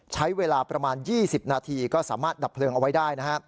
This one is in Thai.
ใช้เวลาประมาณ๒๐นาทีก็สามารถดับเพลิงเอาไว้ได้นะฮะ